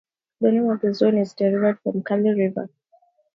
The name of this zone is derived from the Kali River.